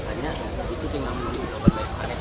masanya itu tidak menunggu